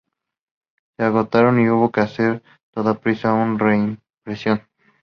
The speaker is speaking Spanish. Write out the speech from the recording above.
Se agotaron y hubo que hacer a toda prisa una reimpresión.